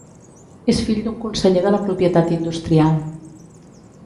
És fill d'un conseller de la propietat industrial.